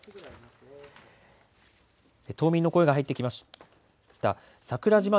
島民の声が入ってきました。